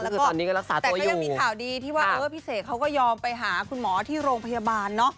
แล้วก็แต่ก็ยังมีข่าวดีที่ว่าพี่เสกเขาก็ยอมไปหาคุณหมอที่โรงพยาบาลเนอะ